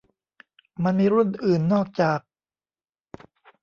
มันมีรุ่นอื่นนอกจาก